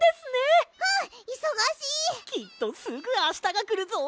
きっとすぐあしたがくるぞ！